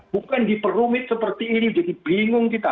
bukan diperumit seperti ini jadi bingung kita